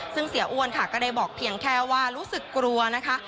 ซึ่งเสียอ้วนค่ะก็ได้บอกเพียงแค่ว่ารู้สึกกลัวนะคะ